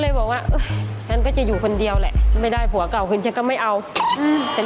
แล้วเขาก็หยุดแล้วก็ชาวบ้านเห็น